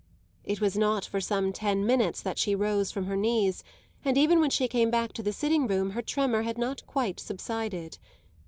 It was not for some ten minutes that she rose from her knees, and even when she came back to the sitting room her tremor had not quite subsided.